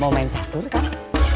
mau main catur kak